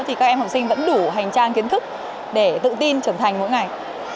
thì các em học sinh vẫn đủ hành trang kiến thức để tự tin trưởng thành mỗi ngày